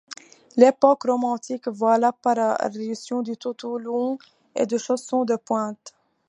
L’époque romantique voit l’apparition du tutu long et des chaussons de pointes.